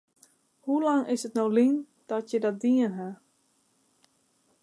Hoe lang is it no lyn dat je dat dien ha?